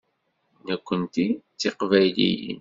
Nekkenti d Tiqbayliyin.